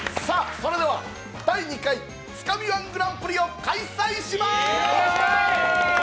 それでは第２回つかみ−１グランプリを開催いたします。